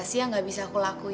jangan kira saya mau kembali